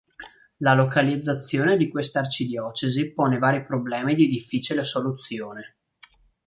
La localizzazione di quest'arcidiocesi pone vari problemi di difficile soluzione.